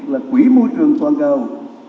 là quỹ môi trường toàn cầu